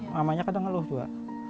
mamanya kadang ngelelah juga